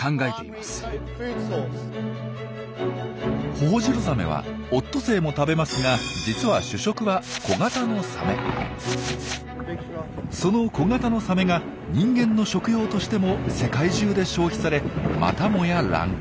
ホホジロザメはオットセイも食べますが実はその小型のサメが人間の食用としても世界中で消費されまたもや乱獲。